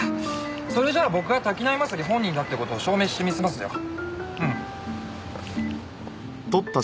それじゃあ僕が滝浪正輝本人だって事を証明してみせますようん。